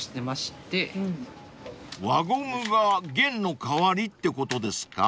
［輪ゴムが弦の代わりってことですか？］